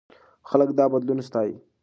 خلک دا بدلون ستایي.